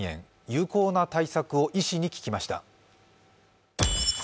有効な対策を医師に聞きました。